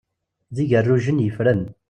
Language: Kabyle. D igerrujen yeffren.